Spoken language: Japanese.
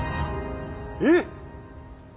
えっ⁉